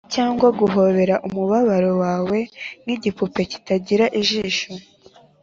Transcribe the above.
cyangwa guhobera umubabaro wawe nkigipupe kitagira ijisho